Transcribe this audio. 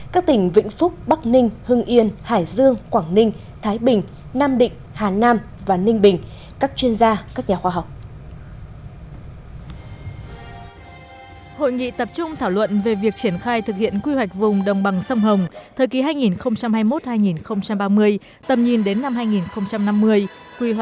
các tỉnh vĩnh phúc bắc ninh hưng yên hải dương quảng ninh thái bình nam định hà nam và ninh bình